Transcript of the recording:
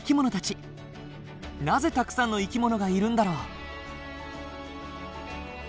なぜたくさんの生き物がいるんだろう？